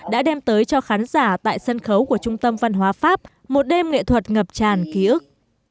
đã đem tới cho khán giả tại sân khấu của trung tâm văn hóa pháp một đêm nghệ thuật ngập tràn ký ức